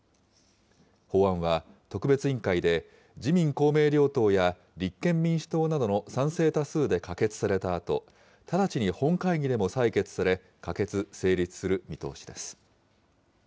法案は、特別委員会で自民、公明両党や立憲民主党などの賛成多数で可決されたあと、直ちに本会議でも採決され、可決・成立する見通しです。